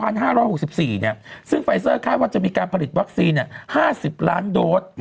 ซึ่งไฟเซอร์คาดว่าจะมีการผลิตวัคซีน๕๐ล้านโดส